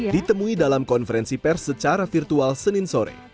ditemui dalam konferensi pers secara virtual senin sore